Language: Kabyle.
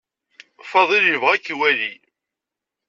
Faḍil yebɣa ad k-iwali.